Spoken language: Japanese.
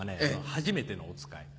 『はじめてのおつかい』。